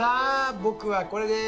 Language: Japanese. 僕はこれです！